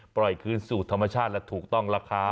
ปล่อยคืนสู่ธรรมชาติและถูกต้องล่ะครับ